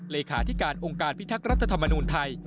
เลขาธิการองค์การพิทักษ์รัฐธรรมนูญไทย